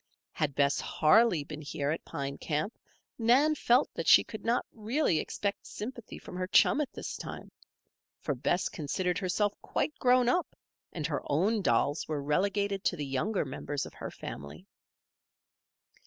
Had Bess Harley been here at Pine Camp Nan felt that she could not really expect sympathy from her chum at this time; for Bess considered herself quite grown up and her own dolls were relegated to the younger members of her family.